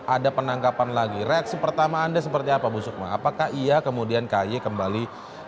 ada penangkapan lagi reaksi pertama anda seperti apa bu sukma apakah ia kemudian ky kembali